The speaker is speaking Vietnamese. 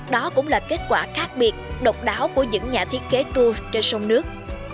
đó cũng là kết quả khác biệt độc đáo của những nhà thiết kế tour trên sông nước